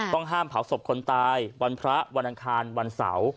ต้องห้ามเผาศพคนตายวันพระวันอังคารวันเสาร์